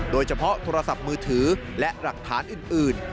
โทรศัพท์มือถือและหลักฐานอื่น